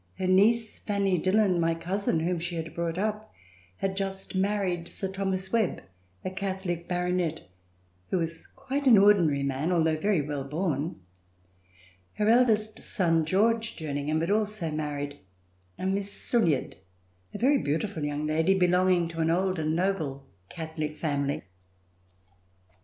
Her niece, Fanny Dillon, my cousin, whom she had brought up, had just married Sir Thomas Webb, a Catholic Baronet who was quite an ordinary man although very well born. Her eldest son, George Jerningham, had also C302] RETURN TO PARIS married a Miss Sulyard, a very beautiful young lady belonging to an old and noble Catholic family.